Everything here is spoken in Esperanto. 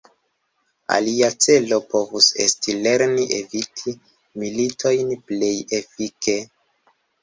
Alia celo povus esti lerni eviti militojn plej efike.